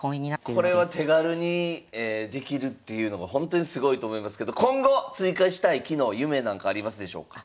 これは手軽にできるっていうのがほんとにすごいと思いますけど今後追加したい機能夢なんかありますでしょうか？